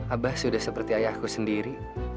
abah sudah seperti ayahku sendiri